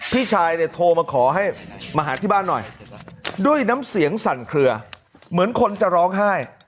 พี่ชายเนี่ยโทรมาขอให้มาหาที่บ้านหน่อยด้วยน้ำเสียงสั่นเคลือเหมือนคนจะร้องไห้